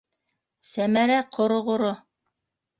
Сәмәрә ҡороғоро!